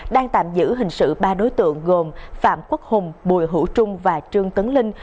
đang tạm giữ hình sự ba đối tượng gồm phạm quốc hùng bùi hữu trung và trương tấn linh